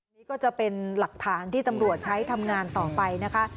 นี่ก็จะเป็นหลักฐานที่ตำรวจใช้ทำงานต่อไปนะคะ